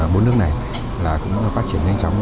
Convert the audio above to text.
bốn nước này cũng phát triển nhanh chóng